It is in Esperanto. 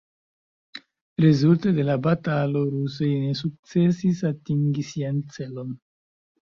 Rezulte de la batalo rusoj ne sukcesis atingi sian celon.